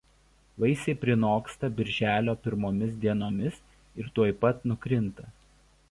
Vaisiai prinoksta birželio pirmomis dienomis ir tuoj pat nukrinta.